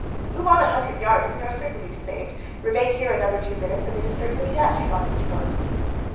"Move on a hundred yards and we are certainly saved, remain here another two minutes and it is certain death," thought each one.